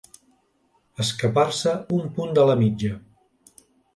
Escapar-se un punt de la mitja.